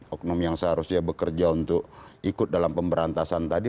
oknum yang seharusnya bekerja untuk ikut dalam pemberantasan tadi